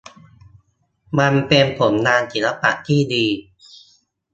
มันเป็นผลงานศิลปะที่ดี